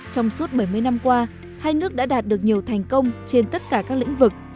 trong suốt bảy mươi năm qua hai nước đã đạt được nhiều thành công trên tất cả các lĩnh vực